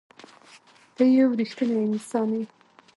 ته یو رښتنی انسان یې.